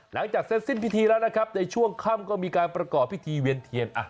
หลังจากเส้นสิ้นพิธีแล้วในช่วงข้ำก็มีการประเกิดพิธีเวียนเทียน